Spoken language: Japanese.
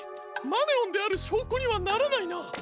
マネオンであるしょうこにはならないな。